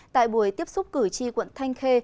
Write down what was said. tại buổi tiếp xúc cử tri quận thanh khê